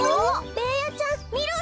ベーヤちゃんみろりん。